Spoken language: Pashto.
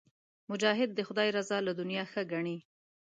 مجاهد د خدای رضا له دنیا ښه ګڼي.